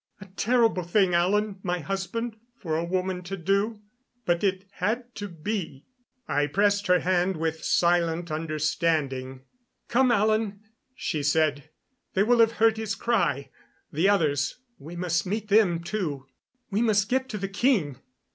"A terrible thing, Alan, my husband, for a woman to do; but it had to be." I pressed her hand with silent understanding. "Come, Alan," she said. "They will have heard his cry. The others we must meet them, too." "We must get to the king.